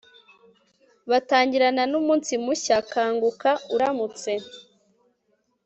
bitangirana numunsi mushya .. kanguka uramutse